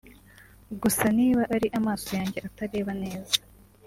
Gusa niba ari amaso yanjye atareba neza